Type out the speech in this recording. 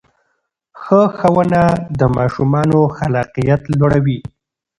ښه ښوونه د ماشومانو خلاقیت لوړوي.